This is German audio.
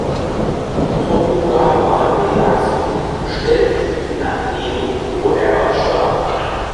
Tokugawa Ieyasu bestellte ihn nach Edo, wo er auch starb.